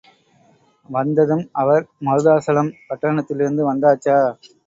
வந்ததும் அவர், மருதாசலம், பட்டணத்திலிருந்து வந்தாச்சா!